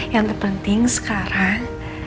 yang terpenting sekarang